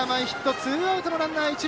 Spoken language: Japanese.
ツーアウトのランナー、一塁。